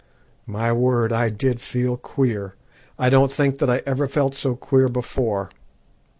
"My word! I did feel queer; I don't think that I ever felt so queer before.